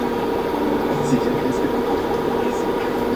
Así que se aprovechó para introducir el reggae panameño a la isla boricua.